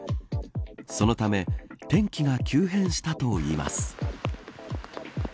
そのため天気が急変したといいます。